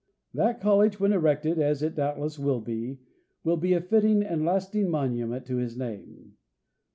That college, when erected, as it doubtless will be, will be a fitting and lasting monument to his name.